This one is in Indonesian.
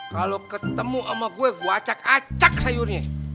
kalau ketemu sama gue gue acak acak sayurnya